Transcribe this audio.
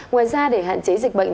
ngoài ra để hạn chế dịch bệnh